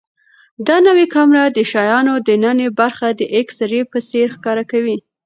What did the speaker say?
دا نوې کامره د شیانو دننه برخه د ایکس ری په څېر ښکاره کوي.